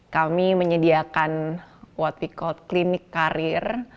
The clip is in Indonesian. kami menyediakan what we call klinik karir